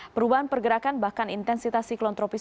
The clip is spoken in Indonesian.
perubahan pergerakan bahkan intensitas siklon tropis